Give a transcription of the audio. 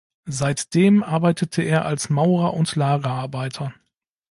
Seitdem arbeitete er als Maurer und Lagerarbeiter.